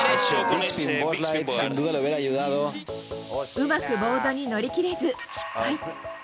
うまくボードに乗り切れず失敗。